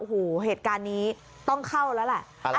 โอ้โหเหตุการณ์นี้ต้องเข้าแล้วแหละ